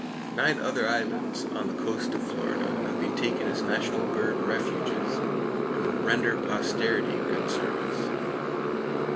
Nine other islands on the coast of Florida have been taken as national bird refuges, and will render posterity good service.